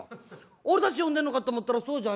俺たち呼んでんのかと思ったらそうじゃねえんだよ。